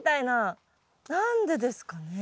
何でですかね？